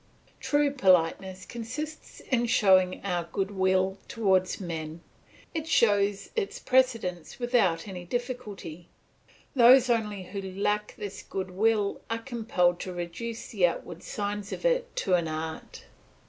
True politeness consists in showing our goodwill towards men; it shows its presence without any difficulty; those only who lack this goodwill are compelled to reduce the outward signs of it to an art.